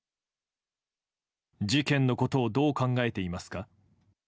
事件のことをどう考えていますか？